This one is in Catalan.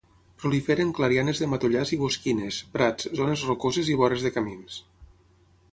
Prolifera en clarianes de matollars i bosquines, prats, zones rocoses i vores de camins.